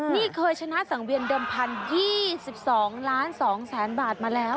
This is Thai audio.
นี่เคยชนะสังเวียนเพราะ๑๐๒๒๒แสนบาทมาแล้ว